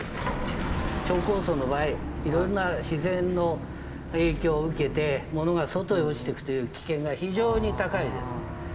超高層の場合いろいろな自然の影響を受けて物が外へ落ちていくという危険が非常に高いです。